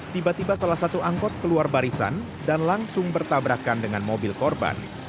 tiba tiba salah satu angkot keluar barisan dan langsung bertabrakan dengan mobil korban